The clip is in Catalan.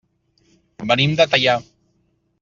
Venim de Teià.